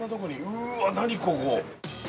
うわぁ、何ここ。